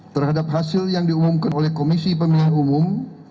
terhadap hasil yang diumumkan oleh komisi pemilihan umum